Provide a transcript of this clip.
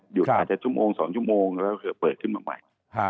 อาจจะชั่วโมง๒ชั่วโมงแล้วก็คือเปิดขึ้นมาใหม่